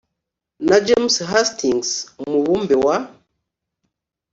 na james hastings umubumbe wa